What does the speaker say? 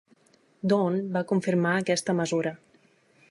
"Dawn" va confirmar aquesta mesura.